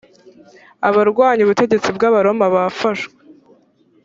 abarwanya ubutegetsi bw ’abaroma bafashwe.